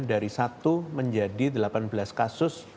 dari satu menjadi delapan belas kasus